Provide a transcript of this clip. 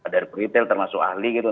dari retail termasuk ahli gitu